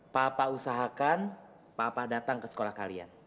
papa usahakan papa datang ke sekolah kalian